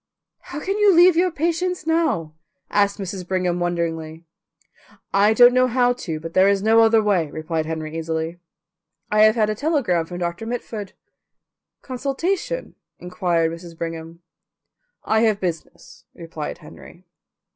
"How can you leave your patients now?" asked Mrs. Brigham wonderingly. "I don't know how to, but there is no other way," replied Henry easily. "I have had a telegram from Doctor Mitford." "Consultation?" inquired Mrs. Brigham. "I have business," replied Henry.